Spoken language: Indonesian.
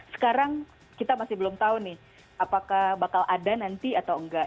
sekarang kita masih belum tahu nih apakah bakal ada nanti atau enggak